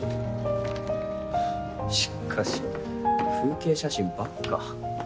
しかし風景写真ばっか。